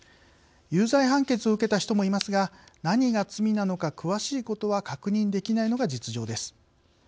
有罪判決を受けた人もいますが何が罪なのか詳しいことは確認できないのが実情です。